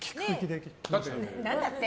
何だって？